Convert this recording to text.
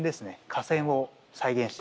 架線を再現してます。